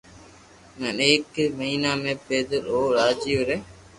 ھين ايڪ مھينا ۾ پيدل او راجي ري